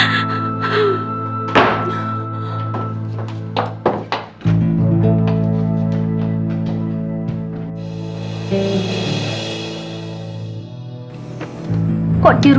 bapak sudah pergi kerja